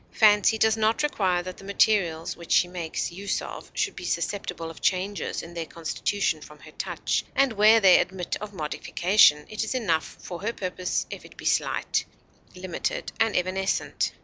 Fancy does not require that the materials which she makes use of should be susceptible of changes in their constitution from her touch; and where they admit of modification, it is enough for her purpose if it be slight, limited, and evanescent.